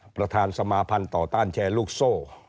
ประธานสมาพันธ์ต่อต้านแชร์ลูกโซ่